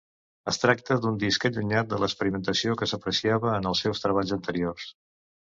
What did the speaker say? Es tracta d'un disc allunyat de l'experimentació que s'apreciava en els seus treballs anteriors.